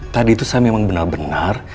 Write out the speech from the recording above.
tadi itu saya memang benar benar